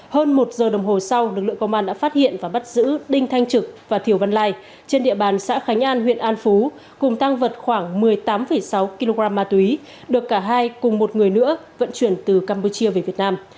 hơn một giờ đồng hồ sau lực lượng công an đã phát hiện và bắt giữ đinh thanh trực và thiều văn lai trên địa bàn xã khánh an huyện an phú cùng tăng vật khoảng một mươi tám sáu kg ma túy được cả hai cùng một người nữa vận chuyển từ campuchia về việt nam